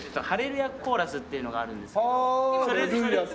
『ハレルヤ・コーラス』っていうのがあるんですけど。